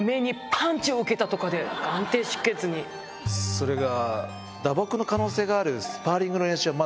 それが。